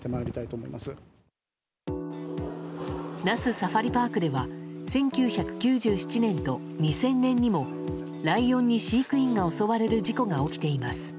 那須サファリパークでは１９９７年と２０００年にもライオンに飼育員が襲われる事故が起きています。